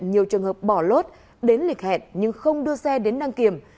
nhiều trường hợp bỏ lốt đến lịch hẹn nhưng không đưa xe đến đăng kiểm